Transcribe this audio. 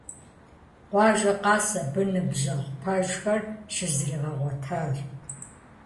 Къуажэ къэс абы ныбжьэгъу пэжхэр щызригъэгъуэтащ.